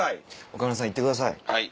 岡村さんいってください